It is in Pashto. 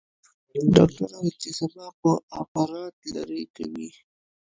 ډاکتر وويل چې سبا به اپرات لرې کوي.